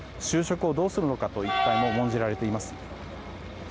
就職をどうするのかといった問題も報じられています。